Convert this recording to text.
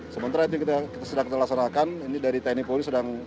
sementara itu kita sedang laksanakan ini dari tni polri sedang